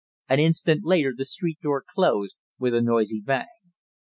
An instant later the street door closed with a noisy bang.